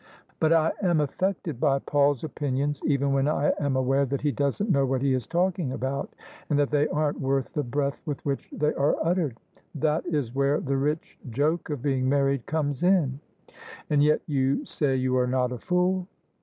But I am affected by Paul's opinions even when I am aware that he doesn't know what he is talking about, and that they aren't worth the breath with which they are uttered. That is where the rich joke of being married comes in !"" And yet you say you are not a fool?